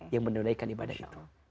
yang menderaikan ibadah itu